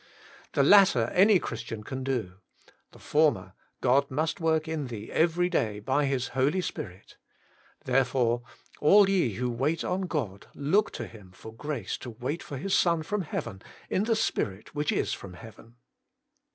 The latter any Christian can do ; the former, God must work in thee every day by His Holy Spirit Therefore all ye who wait on God look to Him for grace to wait for His Son from heaven in the Spirit which is from heaven.